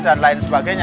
dan lain sebagainya